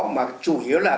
mà chủ yếu là